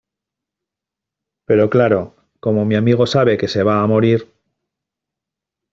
pero claro, como mi amigo sabe que se va a morir...